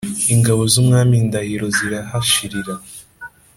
ingabo z' umwami ndahiro zirahashirira